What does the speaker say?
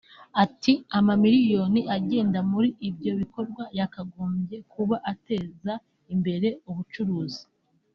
Ati “Amamiliyoni agenda muri ibyo bikorwa yakagombye kuba ateza imbere ubucukuzi